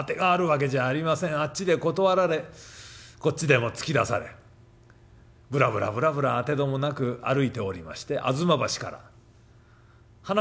あっちで断られこっちでも突き出されブラブラブラブラあてどもなく歩いておりまして吾妻橋から花川戸の河岸っぷち。